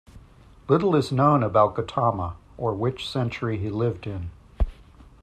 Little is known about Gautama, or which century he lived in.